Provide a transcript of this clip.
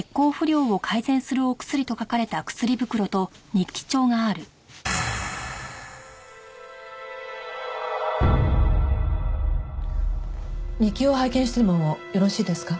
日記を拝見してもよろしいですか？